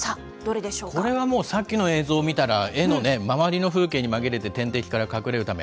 これはもう、さっきの映像見たら、エのね、周りの風景に紛れて天敵から隠れるため。